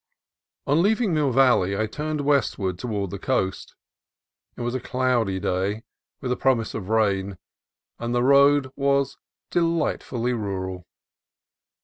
On leaving Mill Valley I turned westward toward the coast. It was a cloudy day, with a promise of THE MUIR WOODS 247 rain, and the road was delightfully rural.